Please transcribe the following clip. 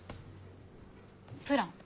プラン？